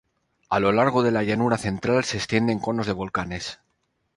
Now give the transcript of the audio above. A lo largo de la llanura central se extienden conos de volcanes.